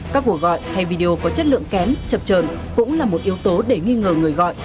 các cuộc gọi hay video có chất lượng kém chập trờn cũng là một yếu tố để nghi ngờ người gọi